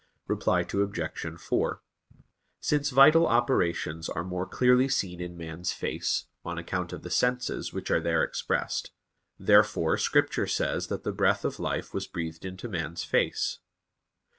Reply Obj. 4: Since vital operations are more clearly seen in man's face, on account of the senses which are there expressed; therefore Scripture says that the breath of life was breathed into man's face.